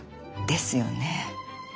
ですよね。